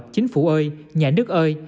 chính phủ ơi nhà nước ơi